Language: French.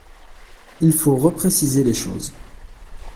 Il faut repréciser les choses.